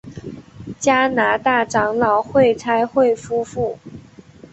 加拿大长老会差会夫妇。